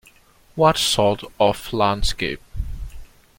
What sort of landscape?